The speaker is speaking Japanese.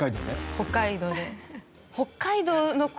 北海道で。